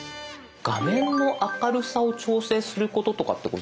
画面の明るさを調整することとかってございますか？